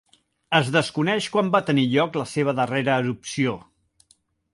Es desconeix quan va tenir lloc la seva darrera erupció.